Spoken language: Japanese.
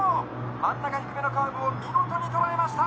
「真ん中低めのカーブを見事に捉えました！」